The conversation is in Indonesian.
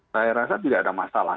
saya rasa tidak ada masalah